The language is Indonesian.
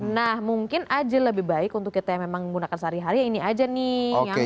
nah mungkin aja lebih baik untuk kita yang memang menggunakan sehari hari ini aja nih